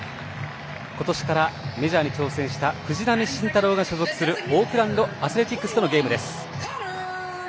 今年からメジャーに挑戦した藤浪晋太郎が所属するオークランド・アスレティックスとのゲームです。